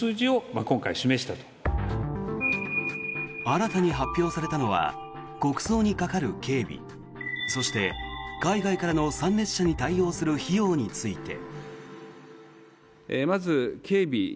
新たに発表されたのは国葬にかかる警備そして、海外からの参列者に対応する費用について。